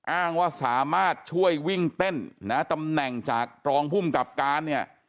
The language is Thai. อ้างว่าสามารถช่วยวิ่งเต้นนะตำแหน่งจากรองภูมิกับการเนี่ย